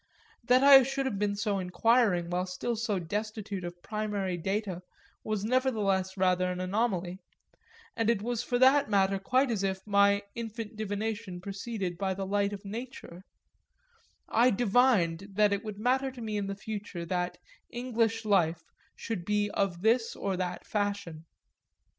That I should have been so inquiring while still so destitute of primary data was doubtless rather an anomaly; and it was for that matter quite as if my infant divination proceeded by the light of nature: I divined that it would matter to me in the future that "English life" should be of this or that fashion.